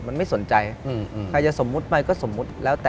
มันไม่สนใจใครจะสมมุติไปก็สมมุติแล้วแต่